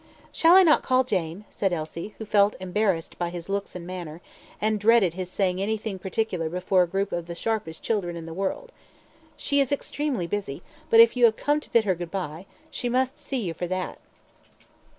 "Shall I not call Jane?" said Elsie, who felt embarrassed by his looks and manner, and dreaded his saying anything particular before a group of the sharpest children in the world. "She is extremely busy, but if you have come to bid her goodbye, she must see you for that."